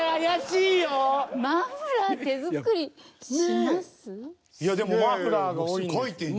いやでもマフラーが多いんで。